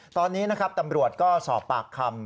ตอนนี้นะครับตำรวจก็สอบปากคำ